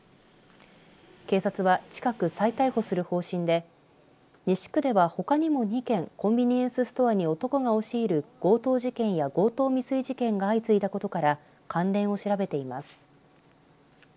警察は近く再逮捕する方針で西区ではほかにも２件コンビニエンスストアに男が押し入る強盗事件や強盗未遂事件が相次いだことから関連を調べています。